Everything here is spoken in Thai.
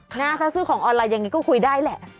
ถ้าซื้อของออนไลน์อย่างนี้ก็คุยได้แหละ